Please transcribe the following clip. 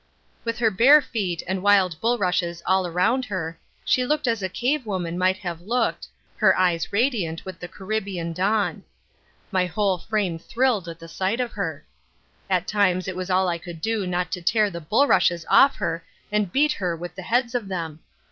With her bare feet and wild bulrushes all around her, she looked as a cave woman might have looked, her eyes radiant with the Caribbean dawn. My whole frame thrilled at the sight of her. At times it was all I could do not to tear the bulrushes off her and beat her with the heads of them.